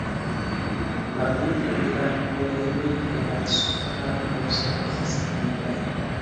La pinto de la oreloj kaj la supra vosto estas nigraj.